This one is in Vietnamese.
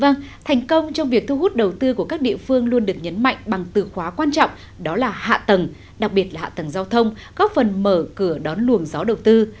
vâng thành công trong việc thu hút đầu tư của các địa phương luôn được nhấn mạnh bằng từ khóa quan trọng đó là hạ tầng đặc biệt là hạ tầng giao thông góp phần mở cửa đón luồng gió đầu tư